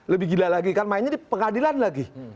lebih gila lagi kan mainnya di pengadilan lagi